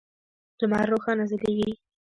لمر روښانه ځلیږی